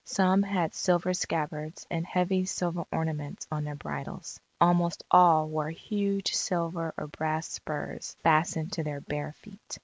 Some had silver scabbards, and heavy silver ornaments on their bridles. Almost all wore huge silver or brass spurs fastened to their bare feet.